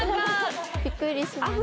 びっくりしました。